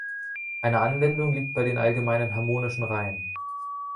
Eine Anwendung liegt bei den allgemeinen harmonischen Reihen.